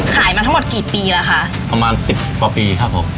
มาทั้งหมดกี่ปีแล้วคะประมาณสิบกว่าปีครับผม